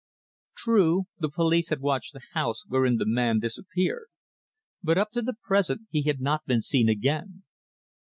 True, the police had watched the house wherein the man disappeared, but up to the present he had not been seen again.